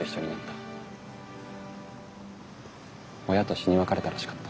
親と死に別れたらしかった。